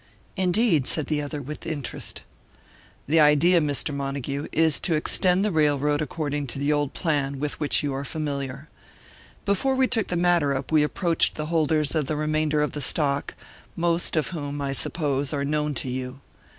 "Indeed," said the other, with interest. "The idea, Mr. Montague, is to extend the railroad according to the old plan, with which you are familiar. Before we took the matter up, we approached the holders of the remainder of the stock, most of whom, I suppose, are known to you.